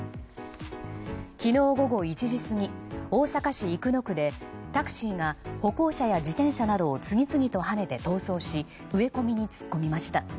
昨日午後１時すぎ大阪市生野区でタクシーが歩行者や自転車などを次々とはねて逃走し植え込みに突っ込みました。